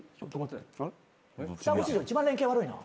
双子史上一番連携悪いな。